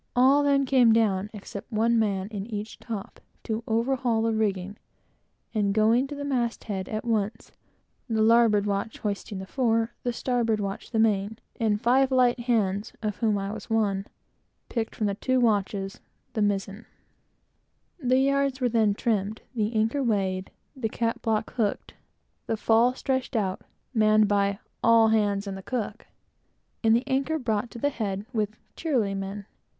Every one then laid down, except one man in each top, to overhaul the rigging, and the topsails were hoisted and sheeted home; all three yards going to the mast head at once, the larboard watch hoisting the fore, the starboard watch the main, and five light hands, (of whom I was one,) picked from the two watches, the mizen. The yards were then trimmed, the anchor weighed, the cat block hooked on, the fall stretched out, manned by "all hands and the cook," and the anchor brought to the head with "cheerily men!"